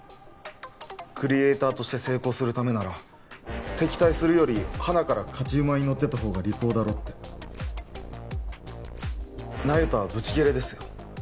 クリエイターとして成功するためなら敵対するよりはなから勝ち馬に乗ってた方が利口だろって那由他はブチ切れですよ